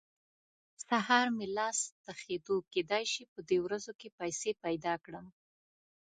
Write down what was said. سهار مې لاس تخېدو؛ کېدای شي په دې ورځو کې پيسې پیدا کړم.